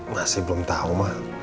masih belum tau mah